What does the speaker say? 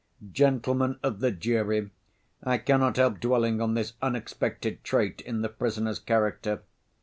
"Gentlemen of the jury, I cannot help dwelling on this unexpected trait in the prisoner's character.